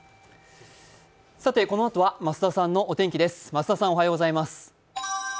このあとは増田さんのお天気です。